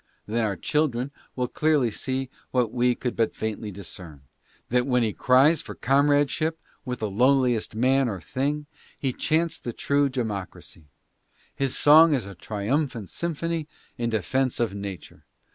Then our children will clearly see what we could but faintly discern, that when he cries for com radeship with the lowliest man or thing he chants the true democracy. His song is a triumphant symphony in defense of nature.